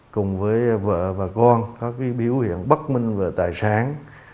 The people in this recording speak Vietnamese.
cùng với vợ và con có biểu hiện bất minh về tài sản